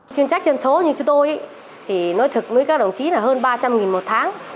chuyên trách dân số như cho tôi thì nói thực với các đồng chí là hơn ba trăm linh một tháng